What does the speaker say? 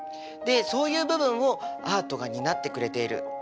そういう部分をアートが担ってくれている。